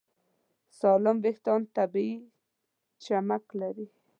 سالم وېښتيان طبیعي چمک لري.